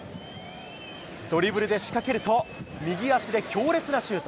ドリブルで仕掛けると、右足で強烈なシュート。